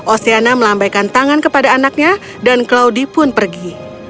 ostiana melambaikan tangan kepada anaknya dan claudie pun pergi